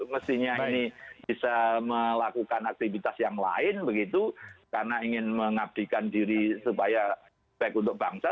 mestinya ini bisa melakukan aktivitas yang lain begitu karena ingin mengabdikan diri supaya baik untuk bangsa